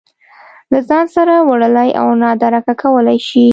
له ځان سره وړلی او نادرکه کولی شي